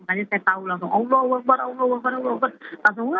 makanya saya tahu langsung allah allah allah